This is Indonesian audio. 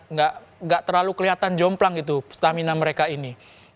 nggak terlalu kelihatan jomplang gitu stamina mereka ini